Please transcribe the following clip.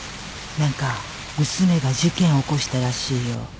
何か娘が事件起こしたらしいよ。